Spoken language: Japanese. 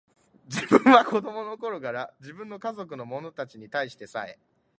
自分は子供の頃から、自分の家族の者たちに対してさえ、